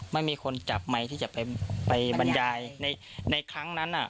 ไม่มีคนจับไมค์ที่จะไปบรรยายในครั้งนั้น